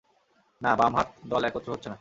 না, বামহাত, দল একত্র হচ্ছে না।